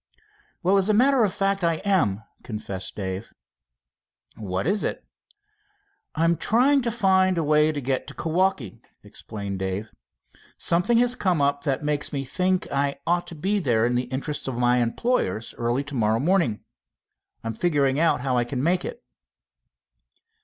"Well, as a matter of fact, I am," confessed Dave. "What is it?" "I'm trying to find a way to get to Kewaukee," explained Dave. "Something has come up that makes me think I ought to be there in the interests of my employers early to morrow morning. I am figuring out how I can make it."